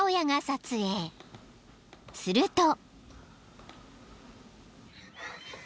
［すると］